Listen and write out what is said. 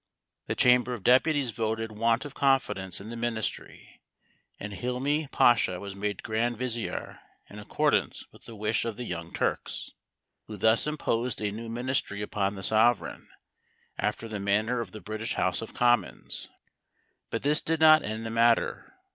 The Chamber of Deputies voted want of confidence in the ministry, and Hilmi Pasha was made Grand Vizier in accordance with the wish of the Young Turks, who thus imposed a new ministry upon the sovereign after the manner of the British House of Commons. But this did not end the matter.